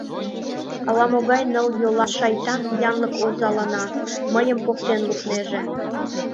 Ала-могай ныл йолан шайтан янлык озалана, мыйым поктен лукнеже.